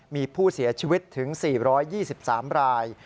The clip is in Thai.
มีผู้เสียชีวิตถึง๔๒๓ราย